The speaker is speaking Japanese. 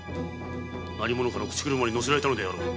何者かの口車にのせられたのだろう。